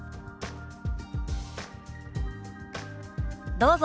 どうぞ。